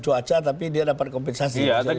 cuaca tapi dia dapat kompensasi